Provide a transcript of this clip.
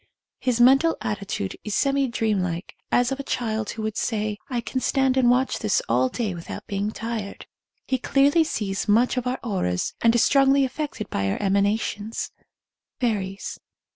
His mental attitude is semi dreamlike, as of a child who would say I can stand and watch this all day without be ing tired." He clearly sees much of our auras and is strongly affected by our emana tions. Fairies.